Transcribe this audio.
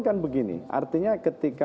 kan begini artinya ketika